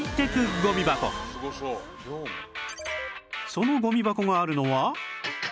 そのゴミ箱があるのは